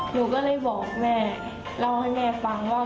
หนูก็เลยบอกแม่เล่าให้แม่ฟังว่า